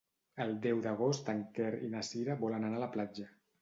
El deu d'agost en Quer i na Cira volen anar a la platja.